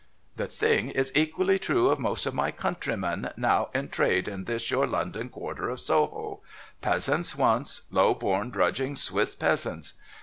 The thing is equally true of most of my countrymen, now in trade in this your London quarter of Soho. Peasants once ; low born drudging Swiss Peasants.